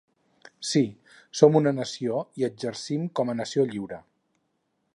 Sí, som una nació, i exercim com a nació lliure.